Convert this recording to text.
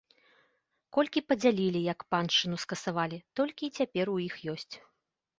Колькі падзялілі, як паншчыну скасавалі, толькі й цяпер у іх ёсць.